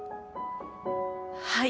はい。